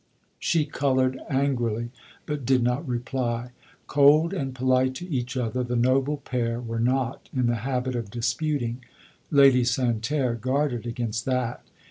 She coloured angrily, but did not reply. (Old and polite to each other, the noble pair were not in the habit of disputing. Lady Santerre guarded against that.